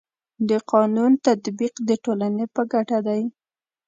د قانونو تطبیق د ټولني په ګټه دی.